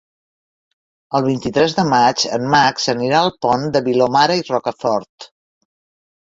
El vint-i-tres de maig en Max anirà al Pont de Vilomara i Rocafort.